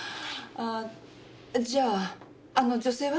あーじゃああの女性は？